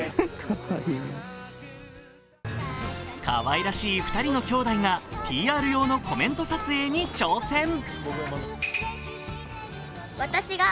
かわいらしい２人のきょうだいがＰＲ用のコメント撮影に挑戦。